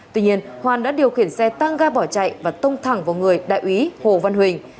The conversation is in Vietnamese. tuy nhiên hoàn đã điều khiển xe tăng ga bỏ chạy và tông thẳng vào người đại úy hồ văn huỳnh